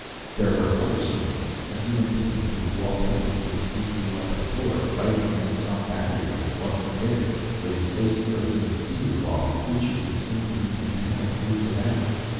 There were other scenes. A human being who walked endlessly three feet off the floor, fighting against some barrier that wasn't there, with his face frozen in fear, while creatures that seemed to be metallic moved about.